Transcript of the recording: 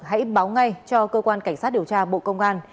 hãy báo ngay cho cơ quan cảnh sát điều tra bộ công an